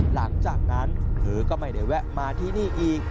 หลังจากนั้นเธอก็ไม่ได้แวะมาที่นี่อีก